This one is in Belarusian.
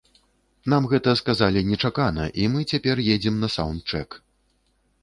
Нам гэта сказалі нечакана і мы цяпер едзем на саўндчэк.